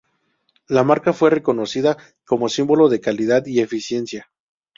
La marca fue reconocida como símbolo de calidad y eficiencia.